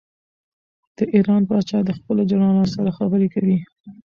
د ایران پاچا د خپلو جنرالانو سره خبرې کوي.